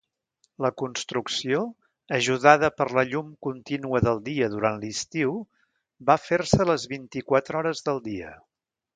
La construcció, ajudada per la llum continua del dia durant l'estiu, va fer-se les vint-i-quatre hores del dia.